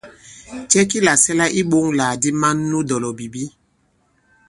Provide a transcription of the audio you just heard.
Cɛ ki làsɛla iɓoŋlàgàdi man nu dɔ̀lɔ̀bìbi ?